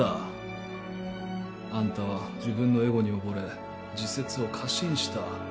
あんたは自分のエゴに溺れ自説を過信した。